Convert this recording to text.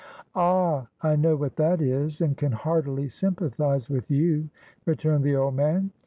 " Ah ! I know what that is, and can heartily sympathize with you," returned the old man.